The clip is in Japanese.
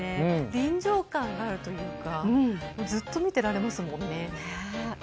臨場感があるというかずっと見てられますもんね。